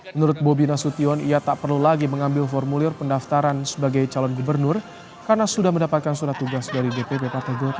menurut bobi nasution ia tak perlu lagi mengambil formulir pendaftaran sebagai calon gubernur karena sudah mendapatkan surat tugas dari dpp partai golkar